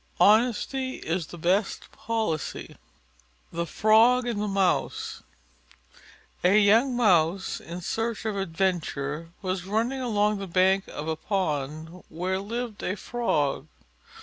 Honesty is the best policy. THE FROG AND THE MOUSE A young Mouse in search of adventure was running along the bank of a pond where lived a Frog.